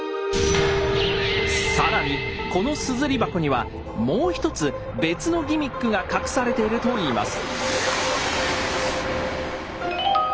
さらにこの硯箱にはもう一つ別のギミックが隠されているといいます。